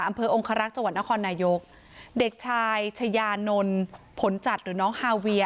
อำเภอองคารักษ์จังหวัดนครนายกเด็กชายชายานนท์ผลจัดหรือน้องฮาเวีย